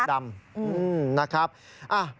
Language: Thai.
เสื้อกั๊กดำ